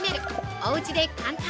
おうちで簡単！